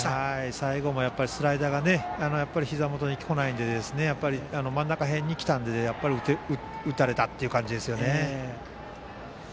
最後もスライダーがひざ元に来ず、真ん中に来たのでやっぱり打たれたという感じですね。